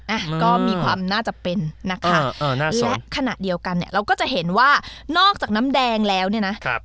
อ่ะก็มีความน่าจะเป็นนะคะและขณะเดียวกันเนี่ยเราก็จะเห็นว่านอกจากน้ำแดงแล้วเนี่ยนะครับ